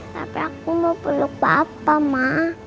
tapi aku mau peluk papa ma